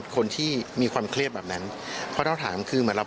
คนที่มีความเครียดแบบนั้นเพราะถ้าถามคือเหมือนเรา